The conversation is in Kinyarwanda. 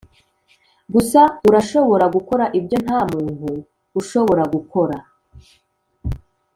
gusa urashobora gukora ibyo ntamuntu ushobora gukora